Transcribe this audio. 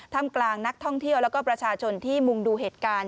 ทำกลางนักท่องเที่ยวแล้วก็ประชาชนที่มุงดูเหตุการณ์